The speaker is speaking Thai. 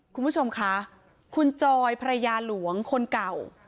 คุณผู้ชมคะคุณจอยภรรยาหลวงคนเก่า